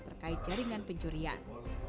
terkait jaringan pencurian